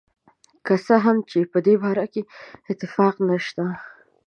که څه هم چې په دې باره کې اتفاق نشته.